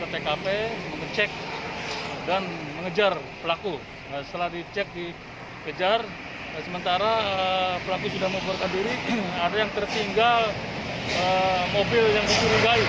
tkp mengecek dan mengejar pelaku setelah dicek dikejar sementara pelaku sudah memperkanduri ada yang tertinggal mobil yang dihubungi